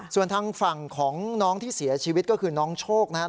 ส่วนทางฝั่งของน้องที่เสียชีวิตก็คือน้องโชคนะครับ